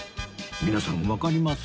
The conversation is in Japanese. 皆さんわかります？